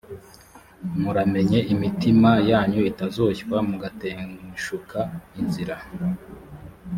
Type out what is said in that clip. muramenye, imitima yanyu itazoshywa mugateshuka inzira,